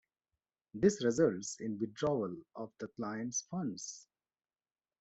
This results in withdrawal of the clients' funds.